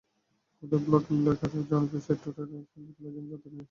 খুদে ব্লগ লেখার জনপ্রিয় সাইট টুইটার এবার সেলফি তোলার জন্য যন্ত্র নিয়ে আসছে।